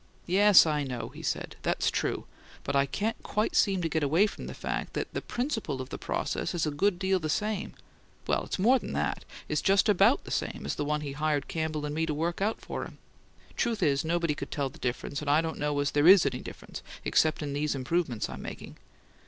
"Yes, I know," he said. "That's true, but I can't quite seem to get away from the fact that the principle of the process is a good deal the same well, it's more'n that; it's just about the same as the one he hired Campbell and me to work out for him. Truth is, nobody could tell the difference, and I don't know as there IS any difference except in these improvements I'm making.